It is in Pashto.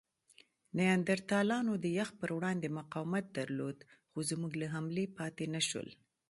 نیاندرتالانو د یخ پر وړاندې مقاومت درلود؛ خو زموږ له حملې پاتې نهشول.